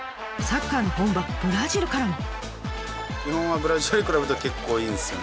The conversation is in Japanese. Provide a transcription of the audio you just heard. サッカーの本場ブラジルからも。